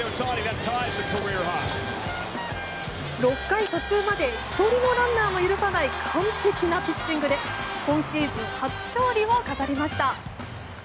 ６回途中まで１人のランナーも許さない完璧なピッチングで今シーズン初勝利を飾りました。